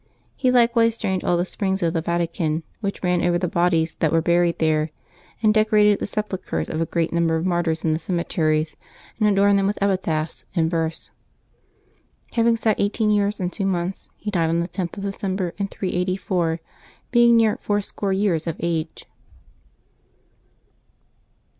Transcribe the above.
He likewise drained all the springs of the Vatican, which ran ■over the bodies that were buried there, and decorated the sepulchres of a great number of martyrs in the cemeteries, and adorned them with epitaphs in verse. Having sat eighteen years and two months, he died on the 10th of December, in 384, being near fourscore years of age.